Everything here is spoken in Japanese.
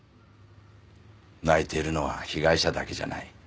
泣いているのは被害者だけじゃない。